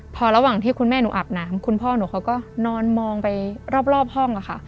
พอระหว่างที่คุณแม่หนูอาบน้ำคุณพ่อหนูเขาก็นอนมองไปรอบห้องค่ะ